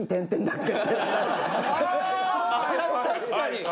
確かに。